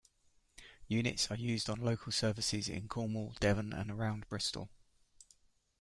Units are used on local services in Cornwall, Devon, and around Bristol.